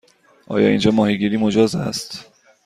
آیا اینجا ماهیگیری مجاز است؟